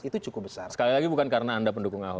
itu cukup besar sekali lagi bukan karena anda pendukung ahok